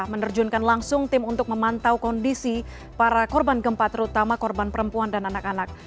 menerjunkan langsung tim untuk memantau kondisi para korban gempa terutama korban perempuan dan anak anak